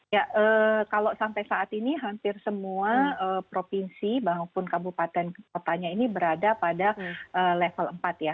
ya kalau sampai saat ini hampir semua provinsi maupun kabupaten kotanya ini berada pada level empat ya